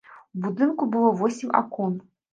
У будынку было восем акон.